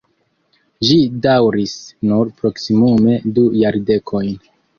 Ĝi daŭris nur proksimume du jardekojn.